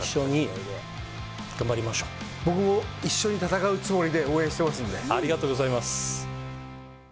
僕も一緒に戦うつもりで応援ありがとうございます。